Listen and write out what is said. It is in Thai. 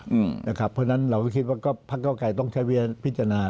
เพราะฉะนั้นเราก็คิดว่าพักเก้าไกรต้องใช้พิจารณา